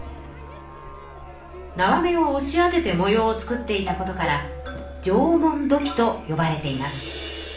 縄目をおし当てても様を作っていたことから縄文土器とよばれています。